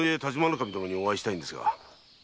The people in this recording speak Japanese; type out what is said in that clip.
守殿にお会いしたいんですが。